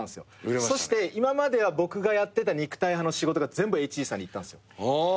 そして今までは僕がやってた肉体派の仕事が全部ＨＧさんにいったんすよ。